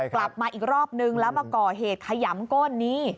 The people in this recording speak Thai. กลับมาอีกรอบนึงแล้วมาก่อเหตุขยำก้นนี้